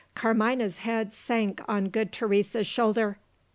Carmina's head sank on good Teresa's shoulder.